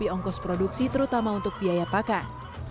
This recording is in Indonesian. biaya ongkos produksi terutama untuk biaya pakan